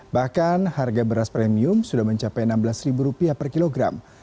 bahkan harga beras premium sudah mencapai rp enam belas per kilogram